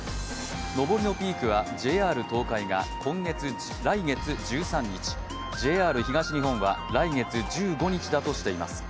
上りのピークはＪＲ東海が来月１３日、ＪＲ東日本は来月１５日だとしています。